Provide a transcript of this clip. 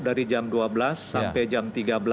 dari jam dua belas sampai jam tiga belas